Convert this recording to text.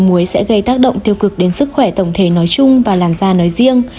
muối sẽ gây tác động tiêu cực đến sức khỏe tổng thể nói chung và làn da nói riêng